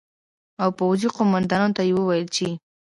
او پوځي قومندانانو ته یې وویل چې